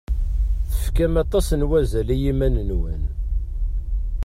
Tefkam aṭas n wazal i yiman-nwen.